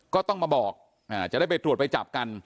ก็ต้องมาบอกจะได้ไปตรวจไปจับกัน